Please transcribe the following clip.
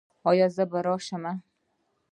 ایا زه بیا راشم؟